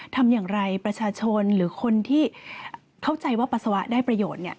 ทำอย่างไรประชาชนหรือคนที่เข้าใจว่าปัสสาวะได้ประโยชน์